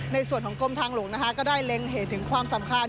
ในส่วนกดรงทางลงก็ได้เล็งเหตุความสำคัญ